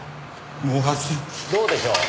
どうでしょう？